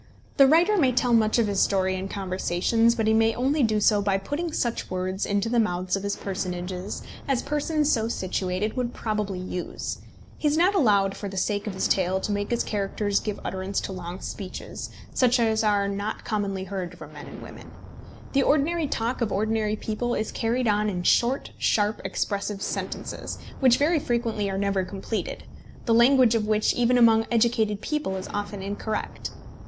The writer may tell much of his story in conversations, but he may only do so by putting such words into the mouths of his personages as persons so situated would probably use. He is not allowed for the sake of his tale to make his characters give utterance to long speeches, such as are not customarily heard from men and women. The ordinary talk of ordinary people is carried on in short sharp expressive sentences, which very frequently are never completed, the language of which even among educated people is often incorrect.